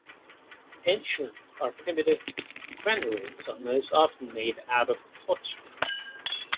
Ancient or primitive granaries are most often made out of pottery.